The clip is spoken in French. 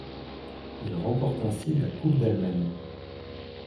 Il remporte ainsi la Coupe d'Allemagne.